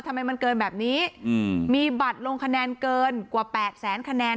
ทำไมมันเกินแบบนี้มีบัตรลงคะแนนเกินกว่า๘แสนคะแนน